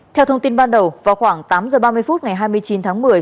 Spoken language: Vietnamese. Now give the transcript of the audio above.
theo thông tin ban đầu vào khoảng tám h ba mươi phút ngày hai mươi chín tháng một mươi